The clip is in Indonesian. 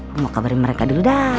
mau kabarin mereka dulu dah